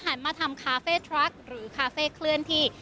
หันมาทำคาเฟ่ทรัคหรือคาเฟ่เคลื่อนที่